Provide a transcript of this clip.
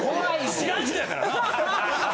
知らん人やからな。